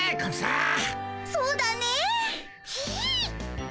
そうだねえ。